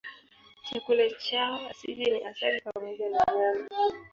Chakula chao asili ni asali pamoja na nyama.